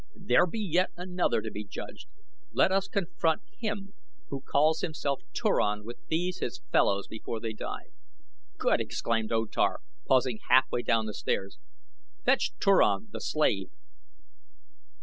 "There be yet another to be judged. Let us confront him who calls himself Turan with these his fellows before they die." "Good!" exclaimed O Tar, pausing half way down the steps. "Fetch Turan, the slave!"